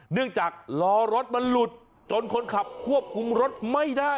จากล้อรถมันหลุดจนคนขับควบคุมรถไม่ได้